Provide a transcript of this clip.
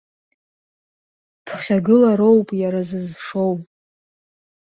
Ԥхьагылароуп иара зызшоу!